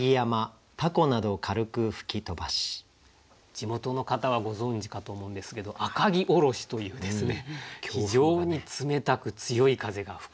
地元の方はご存じかと思うんですけど赤城おろしというですね非常に冷たく強い風が吹くんですね。